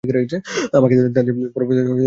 আমাকে তা দিয়ে দেয়ার পর তো তোমার বলার কিছু থাকে না!